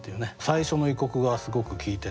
「最初の異国」がすごく効いてて。